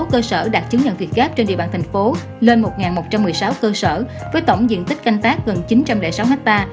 sáu mươi cơ sở đạt chứng nhận việt gáp trên địa bàn thành phố lên một một trăm một mươi sáu cơ sở với tổng diện tích canh tác gần chín trăm linh sáu ha